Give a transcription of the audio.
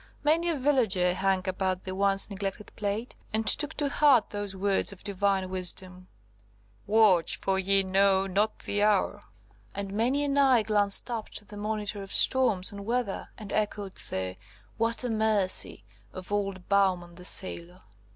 Many a villager hung about the once neglected plate, and took to heart those words of divine wisdom, "Watch, for ye know not the hour," and many an eye glanced up to the monitor of storms and weather, and echoed the "What a mercy!" of old Bowman the sailor.